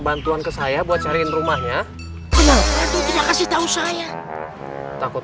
bantuan ke saya buat cariin rumahnya terlalu terlalu terlalu kasih tahu saya takut